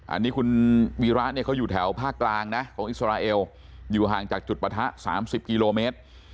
อันนี้คุณวีระเนี่ยเขาอยู่แถวภาคกลางนะของอิสราเอลอยู่ห่างจากจุดปะทะ๓๐กิโลเมตร